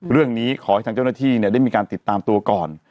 เรื่องนี้ขอให้ทางเจ้าหน้าที่ได้มีการติดตามตัวก่อน